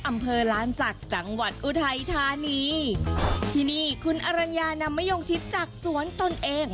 อำเภอล้านศักดิ์จังหวัดอุทัยธานีที่นี่คุณอรัญญานำมะยงชิดจากสวนตนเอง